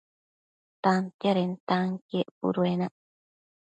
Tantiadentanquien puduenac